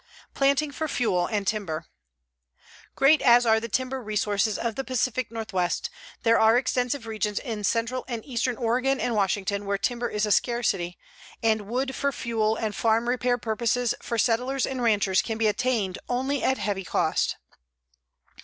PLANTING FOR FUEL AND TIMBER Great as are the timber resources of the Pacific Northwest, there are extensive regions in central and eastern Oregon and Washington where timber is a scarcity, and wood for fuel and farm repair purposes for settlers and ranchers can be obtained only at heavy cost.